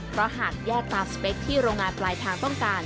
เพราะหากแยกตามสเปคที่โรงงานปลายทางต้องการ